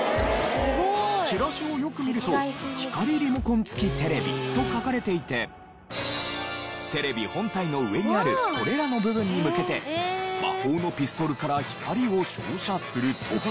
チラシをよく見ると「光リモコン付テレビ」と書かれていてテレビ本体の上にあるこれらの部分に向けて魔法のピストルから光を照射すると。